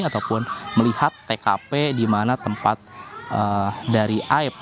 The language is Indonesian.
ataupun melihat tkp di mana tempat dari aib